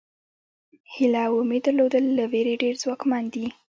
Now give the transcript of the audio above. هیله او امید درلودل له وېرې ډېر ځواکمن دي.